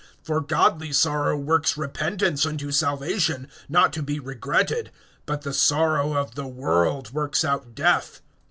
(10)For godly sorrow works repentance unto salvation, not to be regretted; but the sorrow of the world works out death.